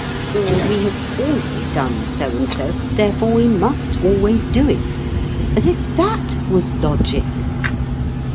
Or we have always done so and so, therefore we must always do it as if that was logic!